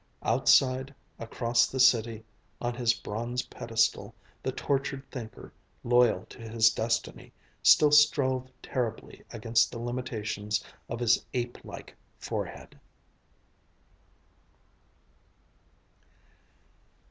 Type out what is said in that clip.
Outside, across the city, on his bronze pedestal, the tortured Thinker, loyal to his destiny, still strove terribly against the limitations of his ape like forehead.